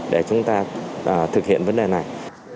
để chúng ta thực hiện vấn đề này